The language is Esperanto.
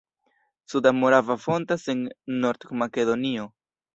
Suda Morava fontas en Nord-Makedonio.